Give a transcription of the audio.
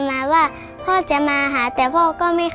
พ่อสัญญามาว่าพ่อจะมาหาแต่พ่อก็ไม่เคยมาหาค่ะ